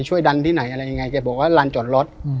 ดันที่ไหนอะไรยังไงแกบอกว่าลานจอดรถ